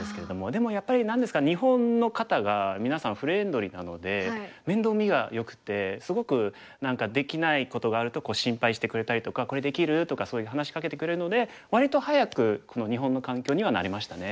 でもやっぱり何ですか日本の方がみなさんフレンドリーなので面倒見がよくてすごく何かできないことがあると心配してくれたりとか「これできる？」とかそういう話しかけてくれるので割と早く日本の環境には慣れましたね。